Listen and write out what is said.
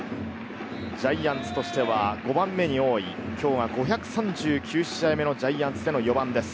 ジャイアンツとしては５番目に多い今日は５３９試合目のジャイアンツでの４番です。